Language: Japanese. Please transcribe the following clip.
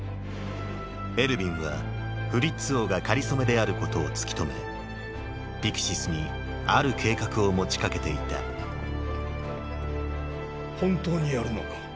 エルヴィンはフリッツ王がかりそめであることを突き止めピクシスにある計画を持ちかけていた本当にやるのか？